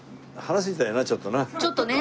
ちょっとね。